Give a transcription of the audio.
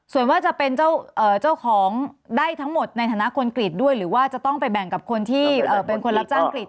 ส่วนว่าจะเป็นเจ้าของได้ทั้งหมดในฐานะคนกรีตด้วยหรือว่าจะต้องไปแบ่งกับคนที่เป็นคนรับจ้างกรีด